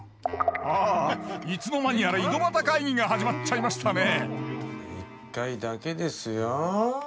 あいつの間にやら井戸端会議が始まっちゃいましたね一回だけですよ。